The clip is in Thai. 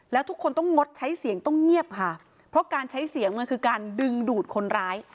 แล้วทุกคนต้องงดใช้เสียงต้องเงียบค่ะเพราะการใช้เสียงมันคือการดึงดูดคนร้าย